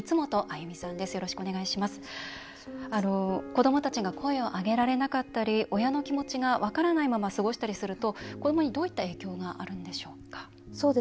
子どもたちが声を上げられなかったり親の気持ちが分からないまま過ごしたりすると子どもにどういった影響があるんでしょうか。